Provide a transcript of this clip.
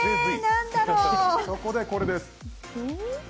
そこで、これです。